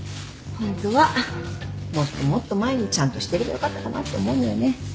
ホントはもっともっと前にちゃんとしてればよかったかなって思うのよね。